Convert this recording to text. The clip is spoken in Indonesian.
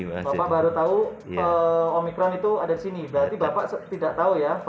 bapak baru tahu omikron itu ada di sini berarti bapak tidak tahu ya